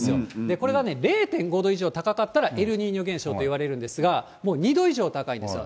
これね、０．５度以上高かったらエルニーニョ現象と言われるんですが、もう２度以上高いんですよ。